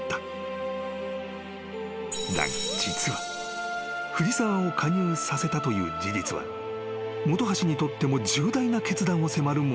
［だが実は藤澤を加入させたという事実は本橋にとっても重大な決断を迫るものだった］